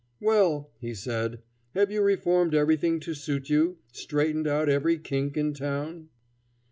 "Well," he said, "have you reformed everything to suit you, straightened out every kink in town?"